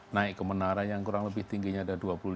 naik ke menara yang kurang lebih tingginya ada